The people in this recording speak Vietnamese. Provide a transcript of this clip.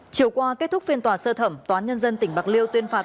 chiều qua kết thúc phiên tòa sơ thẩm toán nhân dân tỉnh bạc liêu tuyên phạt